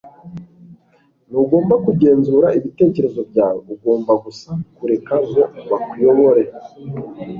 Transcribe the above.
Ntugomba kugenzura ibitekerezo byawe; ugomba gusa kureka ngo bakuyobore. ”